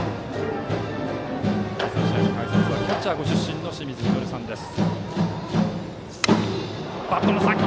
第３試合の解説はキャッチャーご出身の清水稔さんです。